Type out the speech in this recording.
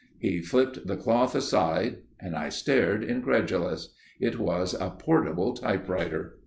He flipped the cloth aside. I stared incredulous. It was a portable typewriter.